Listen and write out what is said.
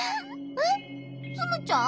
えっツムちゃん？